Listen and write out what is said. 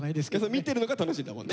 見てるのが楽しいんだもんね。